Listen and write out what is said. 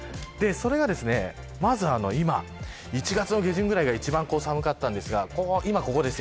まずは１月の下旬くらいが一番寒かったのですが今、ここです。